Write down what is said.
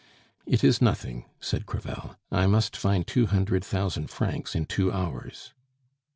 "It is nothing," said Crevel. "I must find two hundred thousand francs in two hours."